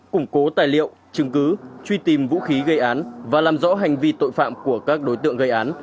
củng cố tài liệu chứng cứ truy tìm vũ khí gây án và làm rõ hành vi tội phạm của các đối tượng gây án